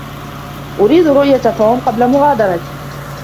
أريد رؤية توم قبل مغادرتي.